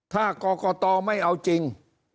ถ้ากรกตไม่เอาจริง